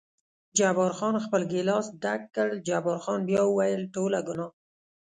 جبار خان خپل ګیلاس ډک کړ، جبار خان بیا وویل: ټوله ګناه.